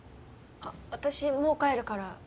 私もう帰るから。